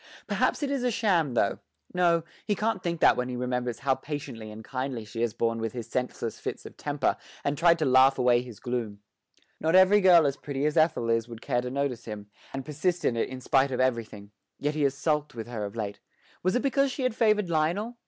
Perhaps it is sham though no, he can't think that when he remembers how patiently and kindly she has borne with his senseless fits of temper and tried to laugh away his gloom. Not every girl as pretty as Ethel is would care to notice him, and persist in it in spite of everything; yet he has sulked with her of late. Was it because she had favoured Lionel?